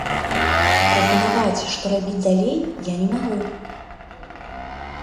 Прапанаваць, што рабіць далей, я не магу.